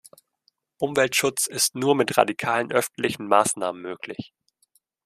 Umweltschutz ist nur mit radikalen öffentlichen Maßnahmen möglich.